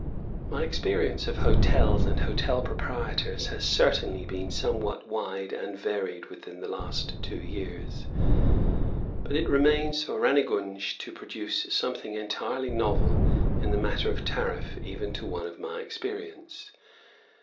My experience of hotels and hotel proprietors has certainly been somewhat wide and varied within the last two years; but it remains for Rannegunj to produce something entirely novel in the matter of tariff even to one of my experience.